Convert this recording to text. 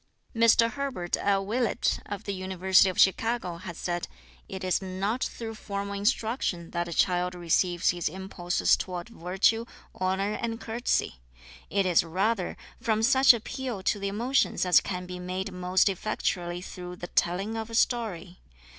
Mr Herbert L. Willett, of the University of Chicago, has said: "It is not through formal instruction that a child receives his impulses toward virtue, honour and courtesy. It is rather from such appeal to the emotions as can be made most effectually through the telling of a story.